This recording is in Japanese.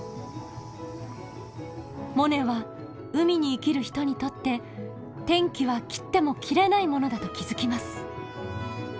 モネは海に生きる人にとって天気は切っても切れないものだと気付きます。